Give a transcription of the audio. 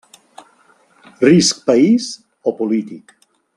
Risc país o polític.